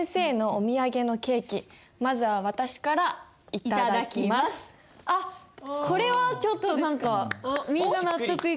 あっこれはちょっと何かみんな納得いくんじゃないかな？